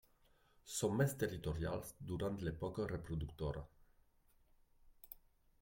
Són més territorials durant l'època reproductora.